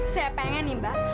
saya pengen nih mbah